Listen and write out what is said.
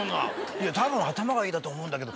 「いや多分“頭がいい”だと思うんだけど」